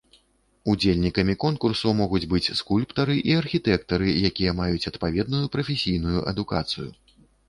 Удзельнікамі конкурсу могуць быць скульптары і архітэктары, якія маюць адпаведную прафесійную адукацыю.